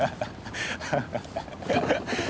ハハハハッ。